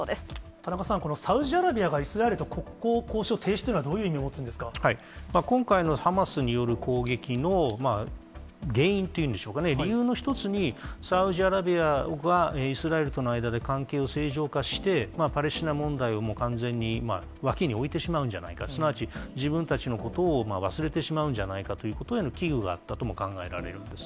田中さん、このサウジアラビアがイスラエルと国交交渉停止というのは、今回のハマスによる攻撃の原因というんでしょうかね、理由の一つに、サウジアラビアはイスラエルとの間で関係を正常化して、パレスチナ問題を完全に脇に置いてしまうんじゃないか、すなわち、自分たちのことを忘れてしまうんじゃないかということへの危惧があったとも考えられるんです。